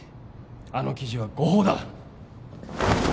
あの記事は誤報だ。